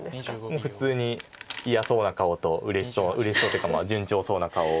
もう普通に嫌そうな顔とうれしそううれしそうというか順調そうな顔を。